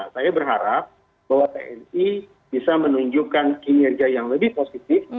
saya berharap bahwa tni bisa menunjukkan kinerja yang lebih positif